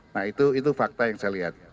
nah itu fakta yang saya lihat